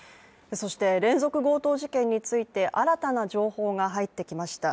そして連続強盗事件について新たな情報が入ってきました。